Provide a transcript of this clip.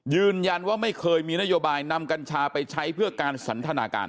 ยืนยันว่าไม่เคยมีนโยบายนำกัญชาไปใช้เพื่อการสันทนาการ